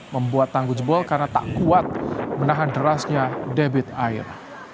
membuat tanggul jebol karena tak kuat menahan derasnya debit air